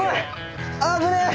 危ねえ！